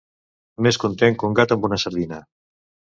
Més content que un gat amb una sardina.